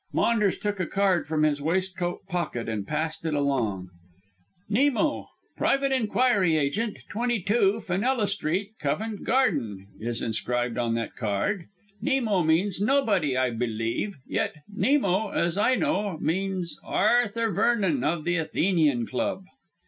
Maunders took a card from his waistcoat pocket and passed it along. "'Nemo, Private Enquiry Agent, 22, Fenella Street, Covent Garden,' is inscribed on that card. Nemo means Nobody, I believe; yet Nemo, as I know, means Arthur Vernon of The Athenian Club."